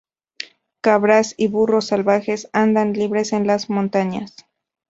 Cabras y burros salvajes andan libres en la montaña.